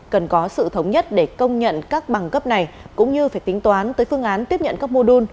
cần có sự thống nhất để công nhận các bằng cấp này cũng như phải tính toán tới phương án tiếp nhận các mô đun